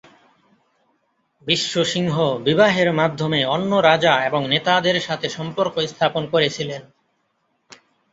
বিশ্ব সিংহ বিবাহের মাধ্যমে অন্য রাজা এবং নেতাদের সাথে সম্পর্ক স্থাপন করেছিলেন।